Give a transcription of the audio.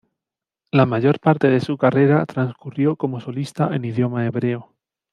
La mayor parte de su carrera transcurrió como solista en idioma hebreo.